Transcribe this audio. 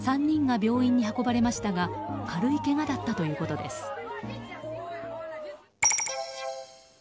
３人が病院に運ばれましたが軽いけがだったということです。